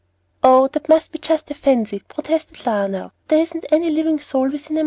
"Oh, that must be just a fancy," protested Lionel. "There isn't a living soul within a mile of us."